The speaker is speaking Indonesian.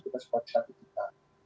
kita sudah bisa dipindah